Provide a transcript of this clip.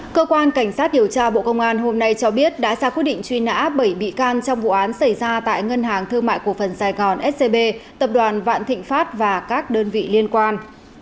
cơ quan cảnh sát điều tra bộ công an hôm nay cho biết đã ra quyết định truy nã bảy bị can trong vụ án xảy ra tại ngân hàng thương mại cổ phần sài gòn scb tập đoàn vạn thịnh pháp và các đơn vị liên quan